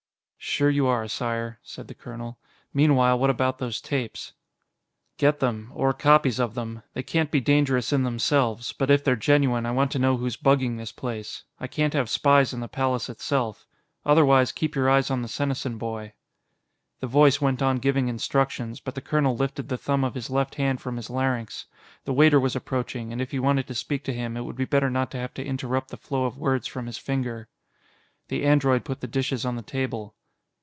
"Sure you are, Sire," said the colonel. "Meanwhile, what about those tapes?" "Get them or copies of them. They can't be dangerous in themselves, but if they're genuine, I want to know who's bugging this place. I can't have spies in the Palace itself. Otherwise, keep your eyes on the Senesin boy." The voice went on giving instructions, but the colonel lifted the thumb of his left hand from his larynx; the waiter was approaching, and if he wanted to speak to him, it would be better not to have to interrupt the flow of words from his finger. The android put the dishes on the table.